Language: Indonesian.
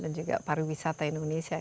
dan juga pariwisata indonesia ya